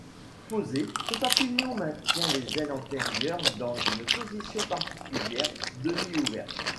Posé, ce papillon maintient les ailes antérieures dans une position particulière, demi-ouverte.